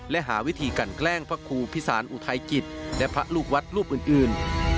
และหาวิธีกันแกล้งพระครูพิสารอุทัยกิจและพระลูกวัดรูปอื่น